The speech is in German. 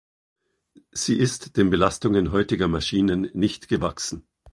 Sie ist den Belastungen heutiger Maschinen nicht gewachsen.